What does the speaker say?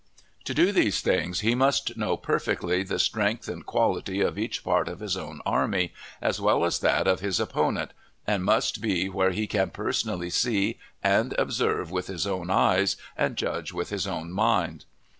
To do these things he must know perfectly the strength and quality of each part of his own army, as well as that of his opponent, and must be where he can personally see and observe with his own eyes, and judge with his own mind.